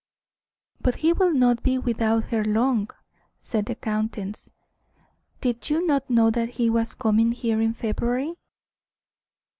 "But he will not be without her long," said the countess. "Did you not know that he was coming here in February?"